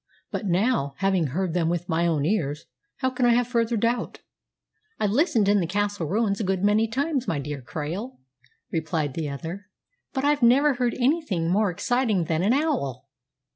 But now, having heard them with my own ears, how can I have further doubt?" "I've listened in the Castle ruins a good many times, my dear Krail," replied the other, "but I've never heard anything more exciting than an owl.